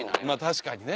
確かにね。